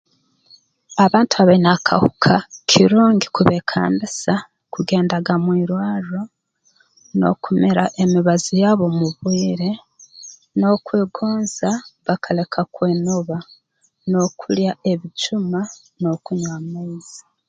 Abantu abaine akahuka kirungi kubeekambisa kugendaga mu irwarro n'okumira emibazi yabo mu bwire n'okwegonza bakaleka kwenoba n'okulya ebijuma n'okunywa amaizi